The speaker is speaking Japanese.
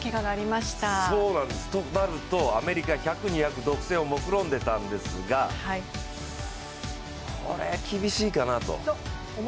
となると、アメリカ、１００、２００独占をもくろんでいたんですが、これ厳しいかなと。